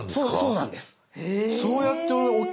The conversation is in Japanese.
そうなんです